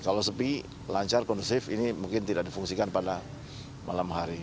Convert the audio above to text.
kalau sepi lancar kondusif ini mungkin tidak difungsikan pada malam hari